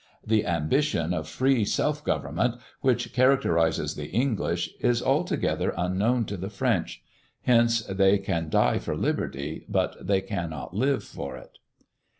The ambition of free self government, which characterises the English, is altogether unknown to the French. Hence they can die for liberty, but they cannot live for it.